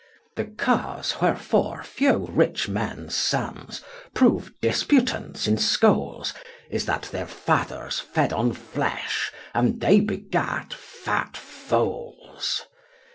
The cause wherefore few rich men's sons Prove disputants in schools. Is that their fathers fed on flesh, And they begat fat fools.